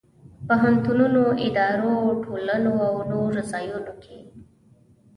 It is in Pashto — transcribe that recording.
پوهنتونونو، ادارو، ټولنو او نور ځایونو کې.